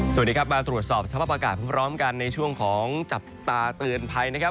สวัสดีครับมาตรวจสอบสภาพอากาศพร้อมกันในช่วงของจับตาเตือนภัยนะครับ